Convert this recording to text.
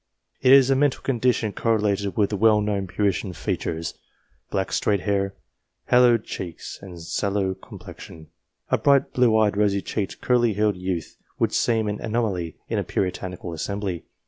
It is a mental condition correlated with the well known Puritan features, black straight hair, hollowed cheeks, and DIVINES 271 sallow complexion. A bright, blue eyed, rosy cheeked, curly headed youth would seem an anomaly in a Puritanical assembly.